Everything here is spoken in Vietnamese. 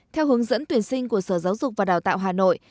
theo hướng dẫn tuyển sinh của sở giáo dục và đào tạo hà nội